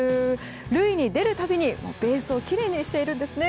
塁に出るたびに、ベースをきれいにしているんですね。